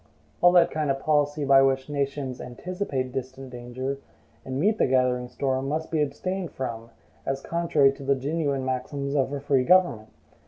All that kind of policy by which nations anticipate distant danger, and meet the gathering storm, must be abstained from, as contrary to the genuine maxims of a free government.